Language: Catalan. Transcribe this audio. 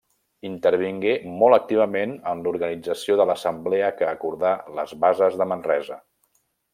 Intervingué molt activament en l'organització de l'assemblea que acordà les Bases de Manresa.